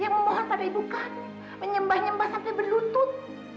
yang memohon pada ibu kamu menyembah nyembah sampai berlutut